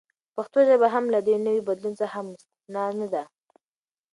پښتو ژبه هم له دې نوي بدلون څخه مستثناء نه ده.